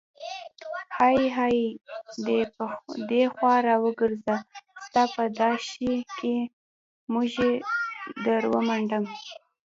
های های دې خوا راوګرزه، ستا په دا شي کې موږی در ومنډم.